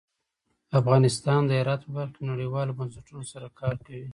افغانستان د هرات په برخه کې نړیوالو بنسټونو سره کار کوي.